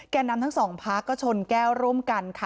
แก่น้ำทั้ง๒พักก็ชนแก้วร่วมกันค่ะ